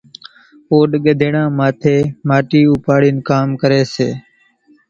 اوڏ ڳڌيڙان ماٿيَ ماٽِي اوپاڙِيا نون ڪام ڪريَ سي۔